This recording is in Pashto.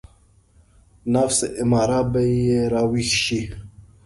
نفس اماره به يې راويښ شي.